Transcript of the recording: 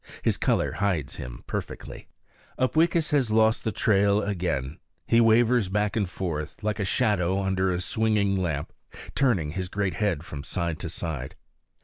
His color hides him perfectly. Upweekis has lost the trail again; he wavers back and forth, like a shadow under a swinging lamp, turning his great head from side to side.